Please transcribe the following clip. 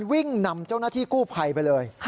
วิ่งนำเจ้าหน้าที่กู้ภัยไปเลย